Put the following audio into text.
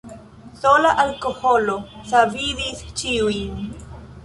Sola alkoholo savadis ĉiujn.